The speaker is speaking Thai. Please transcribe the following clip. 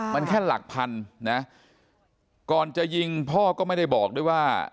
มันแค่หลักพันนะก่อนจะยิงพ่อก็ไม่ได้บอกด้วยว่า